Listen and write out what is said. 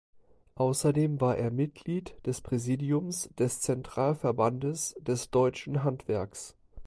Außerdem war er Mitglied des Präsidiums des Zentralverbandes des Deutschen Handwerks.